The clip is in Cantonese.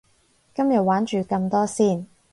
今日玩住咁多先